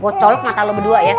gue colok mata lo berdua ya